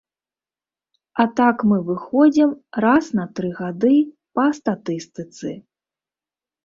А так мы выходзім раз на тры гады па статыстыцы.